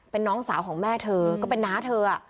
เป็นน้องสาวของแม่เธอก็เป็นน้าเธอ